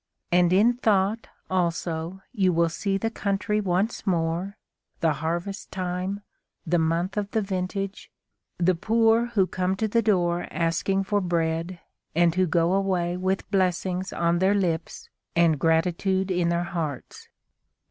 And in thought, also, you will see the country once more, the harvest time, the month of the vintage, the poor who come to the door asking for bread and who go away with blessings on their lips and gratitude in their hearts.